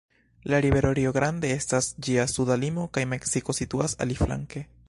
La rivero Rio Grande estas ĝia suda limo, kaj Meksiko situas aliflanke.